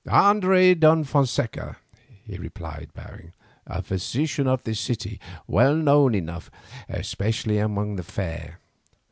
"Andres de Fonseca," he replied bowing, "a physician of this city, well known enough, especially among the fair.